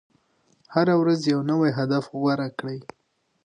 هره ورځ یو نوی هدف غوره کړئ.